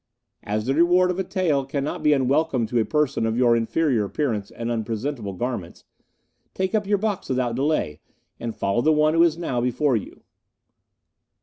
As the reward of a tael cannot be unwelcome to a person of your inferior appearance and unpresentable garments, take up your box without delay, and follow the one who is now before you.